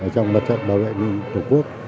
trong mặt trận bảo vệ nguyên tổ quốc